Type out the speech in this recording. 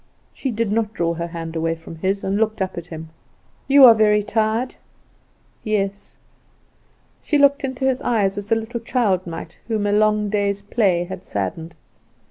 She did not draw her hand away from his, and looked up at him. "You are very tired?" "Yes." She looked into his eyes as a little child might whom a long day's play had saddened.